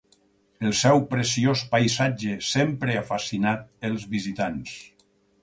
El seu preciós paisatge sempre ha fascinat els visitants.